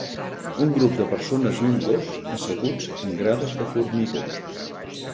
Un grup de persones i un gos asseguts en grades de formigó.